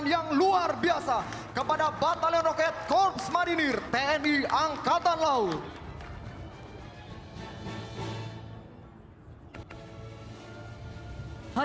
dan kemampuan terbuka